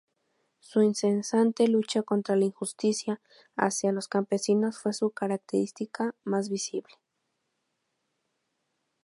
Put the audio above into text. Su incesante lucha contra la injusticia hacia los campesinos fue su característica más visible.